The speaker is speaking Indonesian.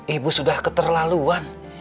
ibu sudah keterlaluan